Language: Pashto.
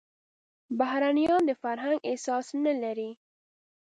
بهرنيان د فرهنګ احساس نه لري.